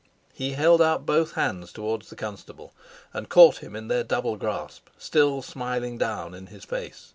He held out both hands towards the constable and caught him in their double grasp, still smiling down in his face.